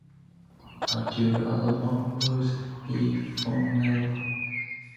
A duet album would be phenomenal.